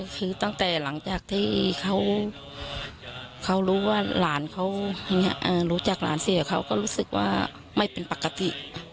คือตั้งแต่หลังจากที่เขารู้จักร้านเสียเขาก็รู้สึกว่าไม่เป็นปกติ